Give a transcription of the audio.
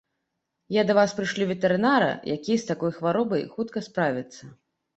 Я да вас прышлю ветэрынара, які з такой хваробай хутка справіцца.